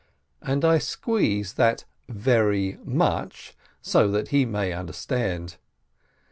and I squeeze that "very much" so that he may understand.